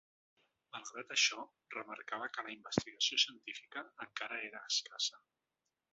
Malgrat això, remarcava que la investigació científica encara era escassa.